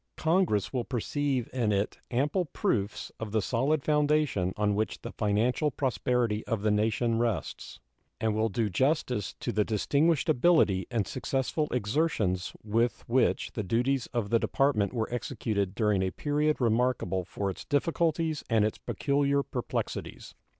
Congress will perceive in it ample proofs of the solid foundation on which the financial prosperity of the nation rests, and will do justice to the distinguished ability and successful exertions with which the duties of the Department were executed during a period remarkable for its difficulties and its peculiar perplexities.